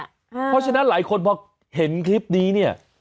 เพราะฉะนั้นหลายคนพอเห็นคลิปนี้เนี่ย